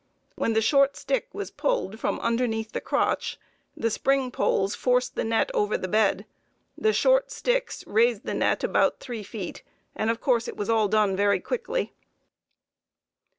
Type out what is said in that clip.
When the short stick was pulled from underneath the crotch, the spring poles forced the net over the bed; the short sticks raised the net about three feet; and of course it was all done very quickly.